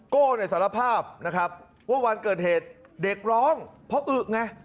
โก้เนี่ยสารภาพนะครับว่าวันเกิดเหตุเด็กร้องเพราะอึไง